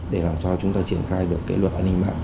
để làm sao chúng ta triển khai được cái luật an ninh mạng